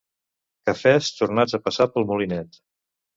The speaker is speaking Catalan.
Cafès tornats a passar pel molinet.